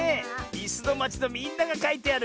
「いすのまち」のみんながかいてある！